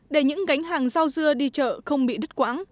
để những gánh hàng rau dưa đi chợ không bị đứt quãng